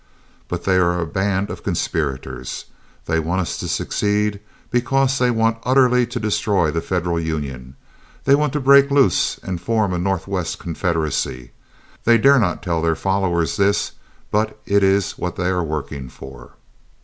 But they are a band of conspirators. They want us to succeed, because they want utterly to destroy the Federal Union. They want to break loose and form a Northwest Confederacy. They dare not tell their followers this, but it is what they are working for."